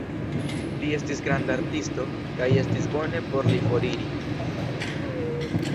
Li estis granda artisto, kaj estis bone por li foriri.